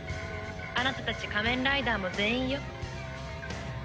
「あなたたち仮面ライダーも全員よ」